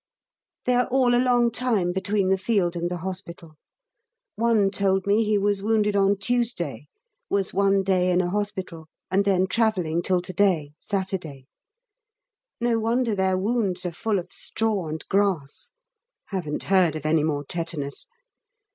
They are all a long time between the field and the Hospital. One told me he was wounded on Tuesday was one day in a hospital, and then travelling till to day, Saturday. No wonder their wounds are full of straw and grass. (Haven't heard of any more tetanus.)